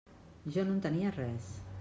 Jo no entenia res.